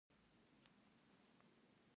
د نوښتونو رامنځته کولو لپاره به زمینه برابره کړي